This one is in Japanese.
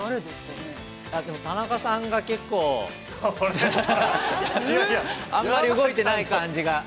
でも、田中さんが結構。あんまり動いてない感じが。